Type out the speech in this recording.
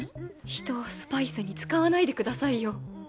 人をスパイスに使わないでくださいよ。